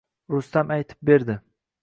Rustam aytib berdi: